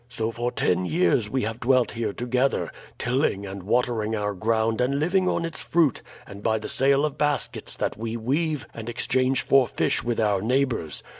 So for ten years we have dwelt here together, tilling and watering our ground and living on its fruit and by the sale of baskets that we weave and exchange for fish with our neighbors.